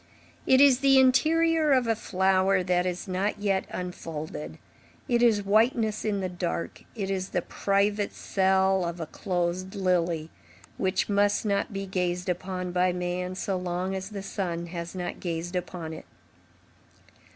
It is the interior of a flower that is not yet unfolded, it is whiteness in the dark, it is the private cell of a closed lily, which must not be gazed upon by man so long as the sun has not gazed upon it.